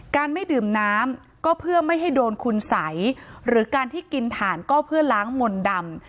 การไม่ดื่มน้ำก็เพื่อไม่ให้โดนคุณสัยหรือการที่กินถ่านก็เพื่อล้างมนต์ดำ